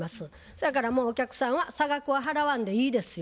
そやからもうお客さんは差額は払わんでいいですよ。